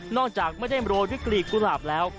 นอกจากไม่ได้โรดกรีกกุลาบแล้ว